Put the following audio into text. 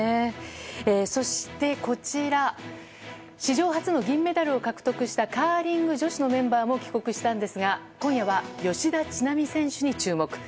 そしてこちら史上初の銀メダルを獲得したカーリング女子のメンバーも帰国したんですが今夜は、吉田知那美選手に注目。